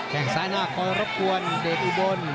แค่งซ้ายหน้าคอยรบกวนเดชอุบล